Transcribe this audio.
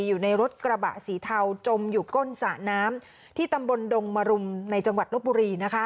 อยู่ในรถกระบะสีเทาจมอยู่ก้นสระน้ำที่ตำบลดงมรุมในจังหวัดลบบุรี